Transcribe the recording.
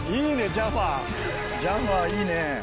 ジャファーいいね。